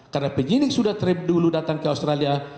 karena penyidik sudah dulu datang ke australia